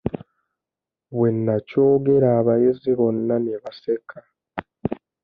Bwe nnakyogera abayizi bonna ne baseka.